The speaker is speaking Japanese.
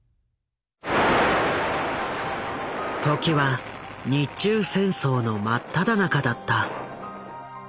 時は日中戦争の真っただ中だった。